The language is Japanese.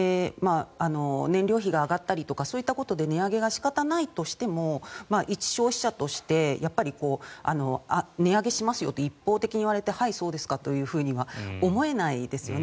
燃料費が上がったりとかそういったことで値上げがしかたないとしても一消費者として値上げしますよと一方的に言われてはい、そうですかというふうには思えないですよね。